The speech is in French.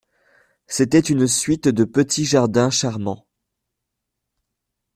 C'était une suite de petits jardins charmans.